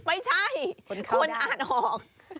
ไม่ใช่คนอ่านออก